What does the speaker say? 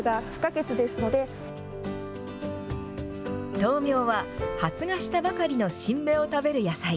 とうみょうは発芽したばかりの新芽を食べる野菜。